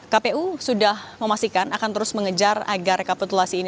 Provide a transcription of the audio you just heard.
kpu sudah memastikan akan terus mengejar agar rekapitulasi ini